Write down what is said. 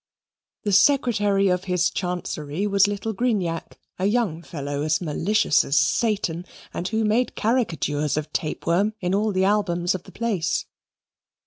The Secretary of his Chancery was little Grignac, a young fellow, as malicious as Satan, and who made caricatures of Tapeworm in all the albums of the place.